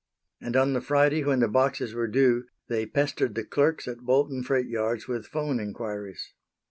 And on the Friday when the boxes were due they pestered the clerks at Bolton freight yards with 'phone inquiries.